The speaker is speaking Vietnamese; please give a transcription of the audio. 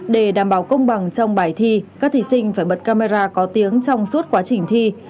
để đảm bảo công bằng trong bài thi các thí sinh phải bật camera có tiếng trong suốt quá trình thi